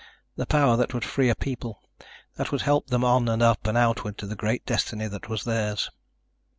The power that would free a people, that would help them on and up and outward to the great destiny that was theirs.